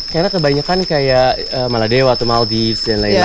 karena kebanyakan kayak maladewa atau maldives dan lain lain kan